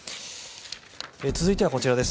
続いてはこちらです。